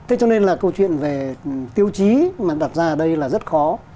thế cho nên là câu chuyện về tiêu chí mà đặt ra ở đây là rất khó